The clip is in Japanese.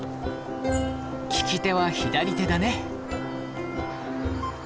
利き手は左手だね。